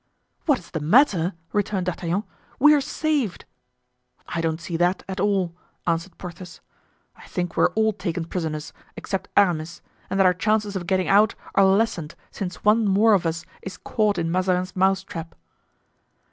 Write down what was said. "What is the matter?" returned D'Artagnan; "we are saved!" "I don't see that at all," answered Porthos. "I think we are all taken prisoners, except Aramis, and that our chances of getting out are lessened since one more of us is caught in Mazarin's mousetrap."